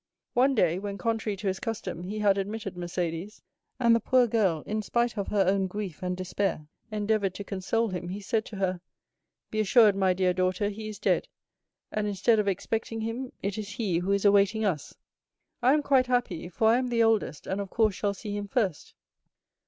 One day, when, contrary to his custom, he had admitted Mercédès, and the poor girl, in spite of her own grief and despair, endeavored to console him, he said to her,—'Be assured, my dear daughter, he is dead; and instead of expecting him, it is he who is awaiting us; I am quite happy, for I am the oldest, and of course shall see him first.